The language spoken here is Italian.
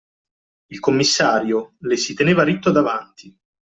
Il commissario, le si teneva ritto davanti.